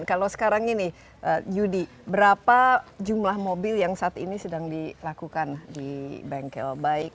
atau akan menjadi sebuah perumahan yang segar